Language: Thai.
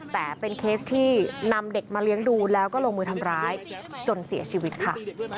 แต่เป็นเคสที่นำเด็กมาเลี้ยงดูแล้วก็ลงมือทำร้ายจนเสียชีวิตค่ะ